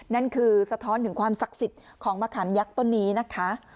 นั่นคือสะท้อนถึงความศักดิ์สิทธิ์ของมะขามยักษ์ต้นนี้นะคะ